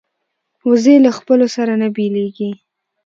وزې له خپلو سره نه بیلېږي